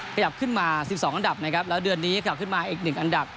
ขยับขึ้นมา๑๒อันดับนะครับแล้วเดือนนี้กลับขึ้นมาอีก๑อันดับ